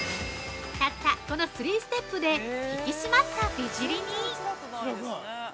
たったこのスリーステップで引き締まった美尻に。